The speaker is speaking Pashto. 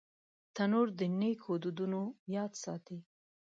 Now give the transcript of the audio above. تنور د نیکو دودونو یاد ساتي